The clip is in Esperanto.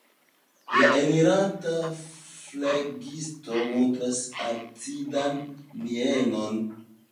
La eniranta flegisto montras acidan mienon.